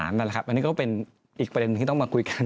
นั่นแหละครับอันนี้ก็เป็นอีกประเด็นที่ต้องมาคุยกัน